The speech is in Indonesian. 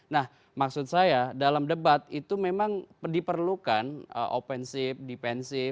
nah maksud saya dalam debat itu memang diperlukan